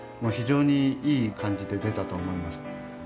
非常にいい感じで出たと思います。